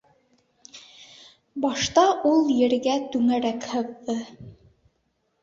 Башта ул ергә түңәрәк һыҙҙы.